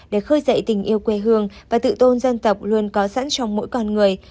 để khơi dậy tình yêu quê hương và tự tôn dân tộc luôn có sẵn trong mỗi con người